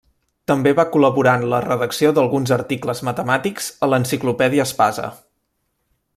També va col·laborar en la redacció d'alguns articles matemàtics a l'Enciclopèdia Espasa.